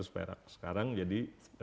seratus perak sekarang jadi